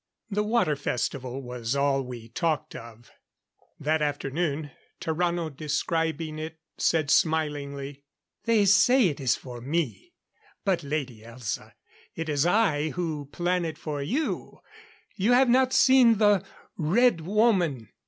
The Water Festival was all we talked of. That afternoon, Tarrano describing it, said smilingly: "They say it is for me. But, Lady Elza it is I who plan it for you. You have not seen the Red Woman."